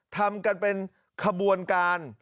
ทำกันเป็นขบวนการ